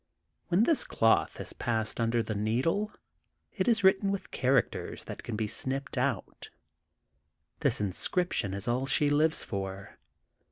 When this cloth has passed under the needle, it is written with characters that can never be snipped out. This inscription is all she lives for.